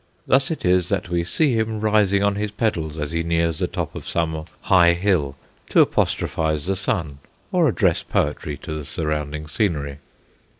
Thus it is that we see him rising on his pedals as he nears the top of some high hill to apostrophise the sun, or address poetry to the surrounding scenery.